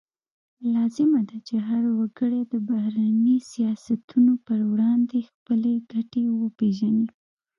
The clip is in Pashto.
لازمه ده چې هر وګړی د بهرني سیاستونو پر وړاندې خپلې ګټې وپیژني